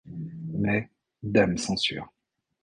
Mais, dame censure...